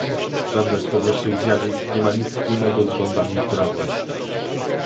Żadne z powyższych zjawisk nie ma nic wspólnego z rządami prawa